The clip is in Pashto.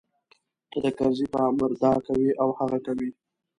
ته د کرزي په امر دا کوې او هغه کوې.